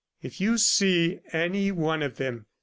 If you see any one of them